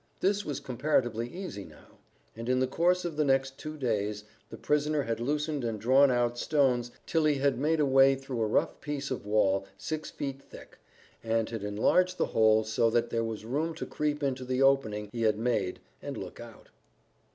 This was comparatively easy now, and in the course of the next two days the prisoner had loosened and drawn out stones till he had made a way through a rough piece of wall six feet thick, and had enlarged the hole so that there was room to creep into the opening he had made and look out.